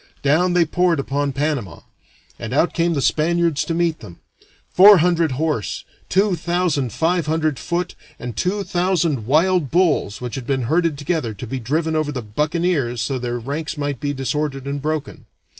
Down they poured upon Panama, and out came the Spaniards to meet them; four hundred horse, two thousand five hundred foot, and two thousand wild bulls which had been herded together to be driven over the buccaneers so that their ranks might be disordered and broken.